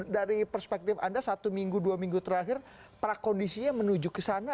dari perspektif anda satu minggu dua minggu terakhir prakondisinya menuju ke sana